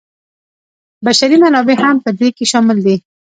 بشري منابع هم په دې کې شامل دي.